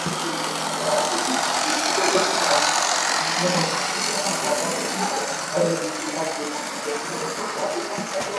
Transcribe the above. Kuwepo kwa minyoo na mayai yake katika kinyesi cha mnyama